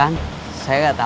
kamu masih memiliki kehidupan